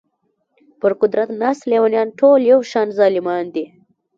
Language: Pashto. پر قدرت ناست لېونیان ټول یو شان ظالمان دي.